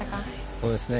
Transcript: そうですね。